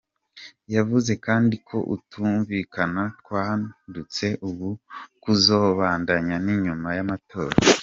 Yavuze kandi ko ukutumvikana kwadutse ubu kwuzobandanya n’inyuma y’amatora.